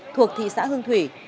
thuộc thị xã hương thủy